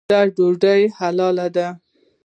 د دوی ډوډۍ حلاله ده.